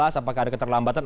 apakah ada keterlambatan